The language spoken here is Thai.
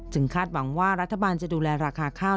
คาดหวังว่ารัฐบาลจะดูแลราคาข้าว